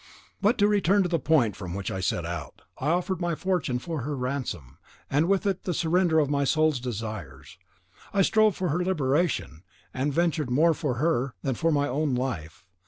"But to return to the point from which I set out: I offered my fortune for her ransom, and with it the surrender of my soul's desires; I strove for her liberation, and ventured more for her than for my own life.